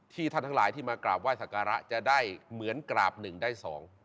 ท่านทั้งหลายที่มากราบไห้สักการะจะได้เหมือนกราบหนึ่งได้สอง